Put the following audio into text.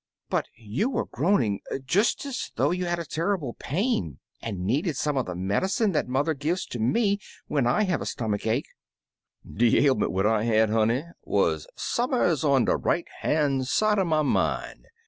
"But you were groaning just as though you had a terrible pain, and needed some of the medicine that mother gives to me when I have the stomach ache/' "De ailment what I had, honey, wuz some'rs on de right han* side er my min*.